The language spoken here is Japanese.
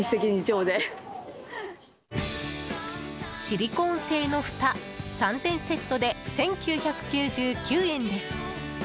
シリコン製のふた３点セットで１９９９円です。